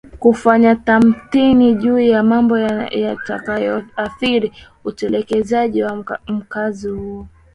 Kufanya tathmini juu ya mambo yatakayoathiri utekelezaji wa mkakati huo